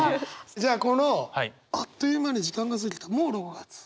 じゃあこのあっという間に時間が過ぎたもう６月。